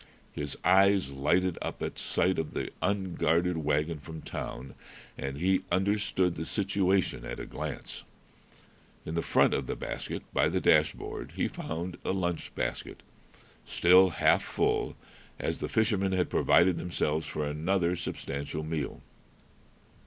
His eyes lighted up at sight of the unguarded wagon from town, and he understood the situation at a glance. In the front of the wagon, by the dash board, he found a lunch basket, still half full, as the fishermen had provided themselves for another substantial meal.